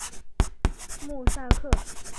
穆萨克。